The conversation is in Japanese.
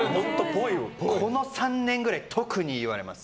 この３年くらい、特に言われます。